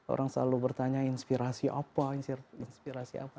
orang selalu bertanya inspirasi apa